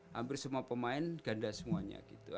hampir semua pemain ganda semuanya gitu